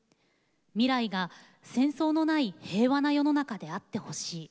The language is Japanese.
未来が戦争のない平和な世の中であってほしい。